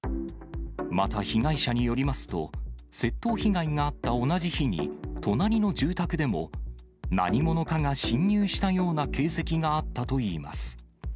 また被害者によりますと、窃盗被害があった同じ日に、隣の住宅でも、何者かが侵入したような形跡があったといいます。